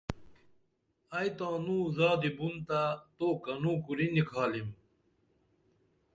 ائی تانوں زادی بُن تہ تو کنوں کُری نِکھالِم